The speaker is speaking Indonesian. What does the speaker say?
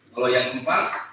lalu yang keempat